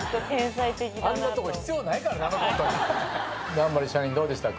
南原支配人どうでしたか？